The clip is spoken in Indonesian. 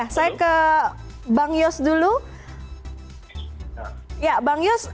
saya ke bang yos dulu